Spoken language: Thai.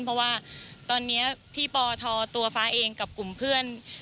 เพราะว่าตอนนี้ที่ปทตัวฟ้าเองกับกลุ่มเพื่อน